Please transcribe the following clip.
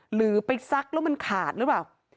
หรือไปซักแล้วมันขาดหรือเปล่า